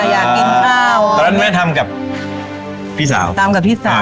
อยากกินข้าวตอนนั้นแม่ทำกับพี่สาวตามกับพี่สาว